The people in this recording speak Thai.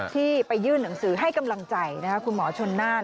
ที่ไปยื่นหนังสือให้กำลังใจคุณหมอชนน่าน